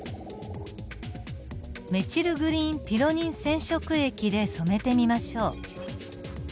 メチルグリーン・ピロニン染色液で染めてみましょう。